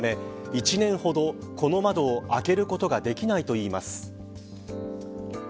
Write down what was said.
１年ほど、この窓を開けることができないといいます。